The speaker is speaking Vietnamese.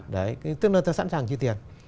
tức là người ta sẵn sàng chi tiền